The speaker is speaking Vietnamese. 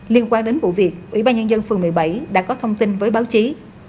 liên quan đến vụ việc ủy ban nhân dân phường một mươi bảy đã có thông tin với báo chí